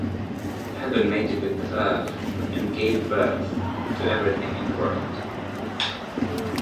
Heaven mated with the earth and gave birth to everything in the world.